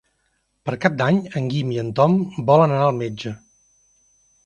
Per Cap d'Any en Guim i en Tom volen anar al metge.